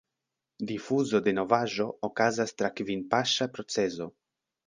Difuzo de novaĵo okazas tra kvin–paŝa procezo.